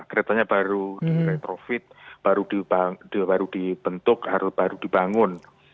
keretanya baru retrofit baru dibentuk baru dibangun